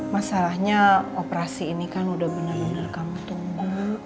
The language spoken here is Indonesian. masalahnya operasi ini kan udah benar benar kami tunggu